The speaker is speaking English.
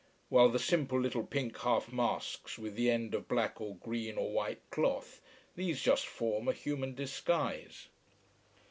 While the simple little pink half masks with the end of black or green or white cloth, these just form a human disguise.